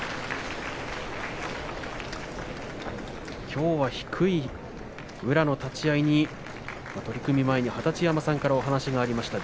きょうは低い宇良の立ち合いに取組前に二十山さんからお話もありました